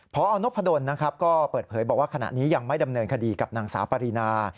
พอนพดลนะครับก็เปิดเผยบอกว่าขณะนี้ยังไม่ดำเนินคดีกับนางสาวปรินา